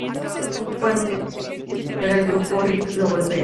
Cuando Merle comienza a insultar al grupo, Rick lo golpea.